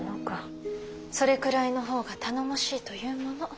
それくらいの方が頼もしいというもの。